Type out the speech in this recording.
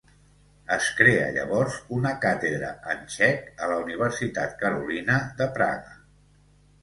Es crea llavors una càtedra en txec a la Universitat Carolina de Praga.